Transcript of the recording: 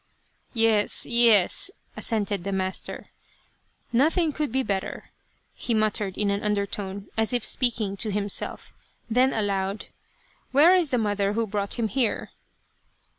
" Yes, yes," assented the master " nothing could be better," he muttered, in an undertone, as if speak ing to himself ; and then aloud, " where is the mother who brought him here